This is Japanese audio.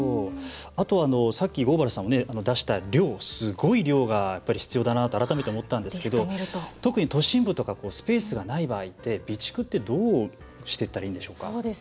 さっき合原さんが出した量すごい量が必要だなと改めて思ったんですが特に都心部とかスペースがない場合備蓄ってどうしていったらいいんでしょうか？